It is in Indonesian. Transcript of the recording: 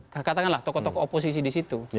katakanlah tokoh tokoh oposisi di situ